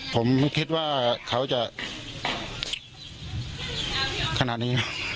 ผมไม่คิดว่าเขาจะขนาดนี้